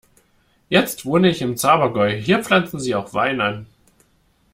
Jetzt wohne ich im Zabergäu, hier pflanzen sie auch Wein an.